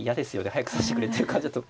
早く指してくれっていう感じだと。